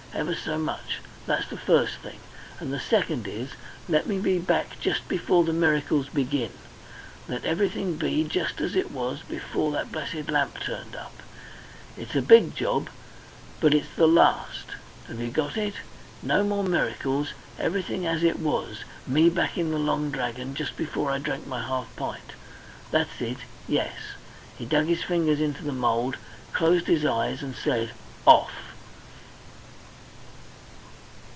Ever so much. That's the first thing. And the second is let me be back just before the miracles begin; let everything be just as it was before that blessed lamp turned up. It's a big job, but it's the last. Have you got it? No more miracles, everything as it was me back in the Long Dragon just before I drank my half pint. That's it! Yes." He dug his fingers into the mould, closed his eyes, and said "Off!"